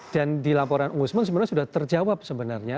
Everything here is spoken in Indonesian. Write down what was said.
dan di laporan uusman sebenarnya sudah terjawab sebenarnya